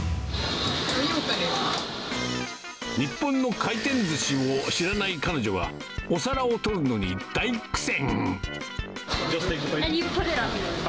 日本の回転ずしを知らない彼女は、お皿を取るのに大苦戦。